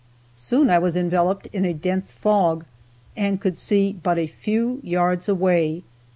Soon I was enveloped in a dense fog, and could see but a few yards away.